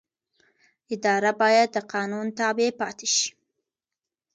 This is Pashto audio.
اداره باید د قانون تابع پاتې شي.